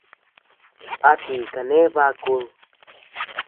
¿A ti kane bakud?